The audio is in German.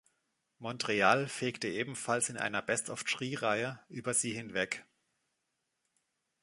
Montreal fegte ebenfalls in einer Best-of-three-Reihe über sie hinweg.